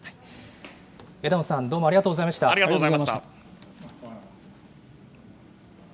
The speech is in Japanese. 枝野さん、どうもありがとうございました。